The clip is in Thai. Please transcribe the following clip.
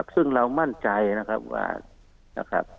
ซึ่งเรามั่นใจนะครับว่า